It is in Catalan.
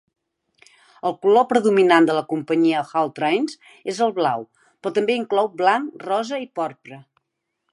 El color predominant de la companyia Hull Trains es el blau, però també inclou blanc, rosa i porpra.